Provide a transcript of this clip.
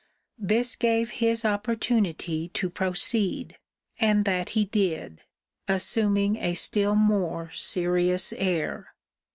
This gave his opportunity to proceed: and that he did; assuming a still more serious air.